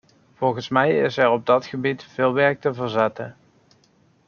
Volgens mij is er op dat gebied veel werk te verzetten.